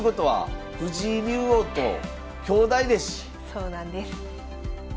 そうなんです。